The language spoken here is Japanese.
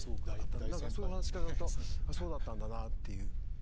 そういう話伺うとそうだったんだなっていう。